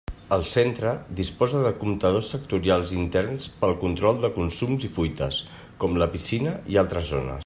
El centre disposa de comptadors sectorials interns pel control de consums i fuites, com la piscina i altres zones.